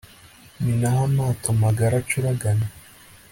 ni na ho amato magari acuragana